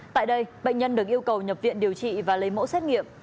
tại đây bệnh nhân được yêu cầu nhập viện điều trị và lấy mẫu xét nghiệm